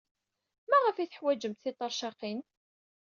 Maɣef ay teḥwajemt tiṭercaqin?